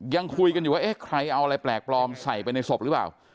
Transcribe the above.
ยังคุยกันอยู่ว่าเอ๊ะใครเอาอะไรแปลกปลอมใส่ไปในศพหรือเปล่า